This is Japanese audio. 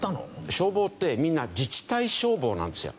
消防ってみんな自治体消防なんですよ。